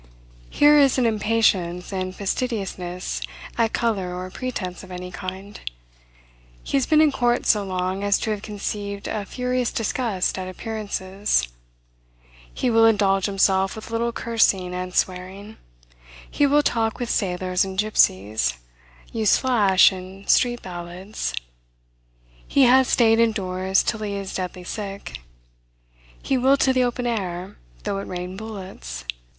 Here is an impatience and fastidiousness at color or pretense of any kind. He has been in courts so long as to have conceived a furious disgust at appearances; he will indulge himself with a little cursing and swearing; he will talk with sailors and gypsies, use flash and street ballads; he has stayed indoors till he is deadly sick; he will to the open air, though it rain bullets.